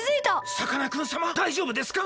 さかなクンさまだいじょうぶですか？